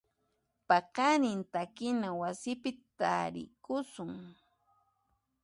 Paqarin takina wasipi tarikusun.